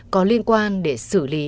có liên quan để xử lý